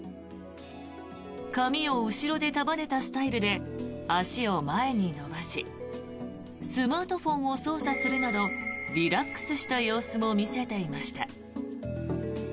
髪を後ろで束ねたスタイルで足を前に伸ばしスマートフォンを操作するなどリラックスした様子も見せていました。